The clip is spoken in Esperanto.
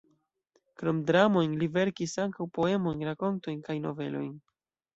Krom dramojn li verkis ankaŭ poemojn, rakontojn kaj novelojn.